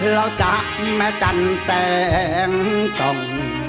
เราจะแม่จันแสงส่ง